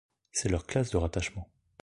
C'est leur classe de rattachement.